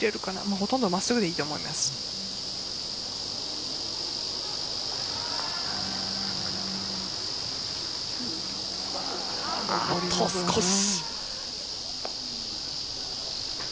ほとんど真っすぐでいいとあと少し。